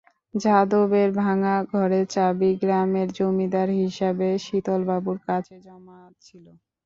যাদবের ভাঙা ঘরের চাবি গ্রামের জমিদার হিসাবে শীতলবাবুর কাছে জমা ছিল।